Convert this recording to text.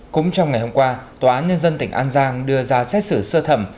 cũng trong ngày hôm qua tòa án nhân dân tỉnh an giang đưa ra xét xử sơ thẩm